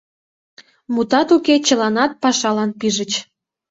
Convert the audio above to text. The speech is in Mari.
Мутат уке, чыланат пашалан пижыч.